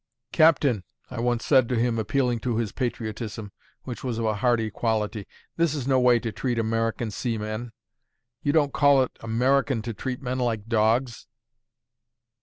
"Captain," I once said to him, appealing to his patriotism, which was of a hardy quality, "this is no way to treat American seamen. You don't call it American to treat men like dogs?"